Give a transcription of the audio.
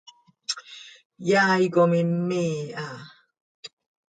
Yaai com immii ha.